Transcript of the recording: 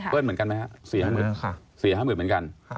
เปอะนเหมือนกันไหมครับ๔๕หมื่นเหมือนกัน